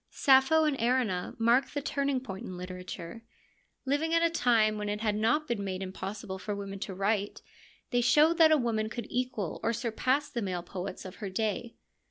Sappho and Erinna mark the turning point in literature. Living at a time when it had not been made impossible for 3 o FEMINISM IN GREEK LITERATURE women to write, they showed that a woman could equal or surpass the male poets of her day.